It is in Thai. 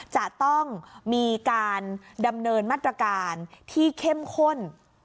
จะต้องมีการดำเนินมาตรการที่เข้มข้น